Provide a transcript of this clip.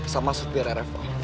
sama sutir rfa